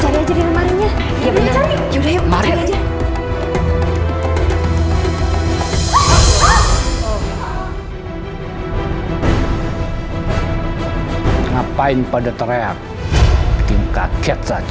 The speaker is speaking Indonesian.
angin pada teriak